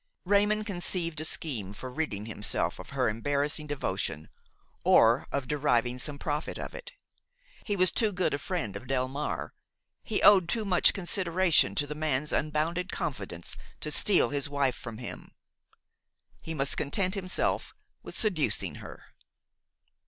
Raymon conceived a scheme for ridding himself of her embarrassing devotion or of deriving some profit of it. He was too good a friend of Delmare, he owed too much consideration to the man's unbounded confidence to steal his wife from him; he must content himself with seducing her.